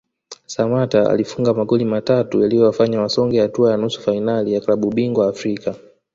Samatta alifunga magoli matatu yaliyowafanya wasonge hatua ya nusu fainali ya klabu bingwa Afrika